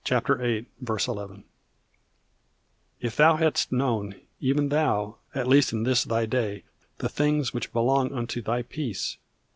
_If thou hadst known, even thou, at least in this thy day, the things which belong unto thy peace!